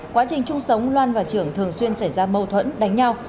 quá trình chung sống loan và trưởng thường xuyên xảy ra mâu thuẫn đánh nhau